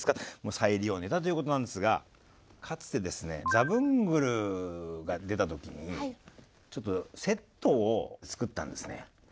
再利用ネタということなんですがかつてですねザブングルが出た時にちょっとセットを作ったんですね。